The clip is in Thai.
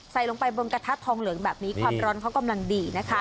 ใส่ลงไปบนกระทะทองเหลืองแบบนี้ความร้อนเขากำลังดีนะคะ